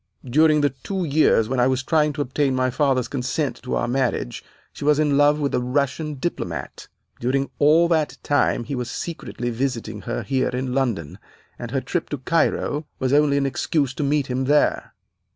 During the two years when I was trying to obtain my father's consent to our marriage she was in love with a Russian diplomat. During all that time he was secretly visiting her here in London, and her trip to Cairo was only an excuse to meet him there.